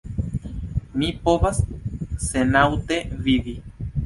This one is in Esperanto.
Mi povas senaŭte vivi.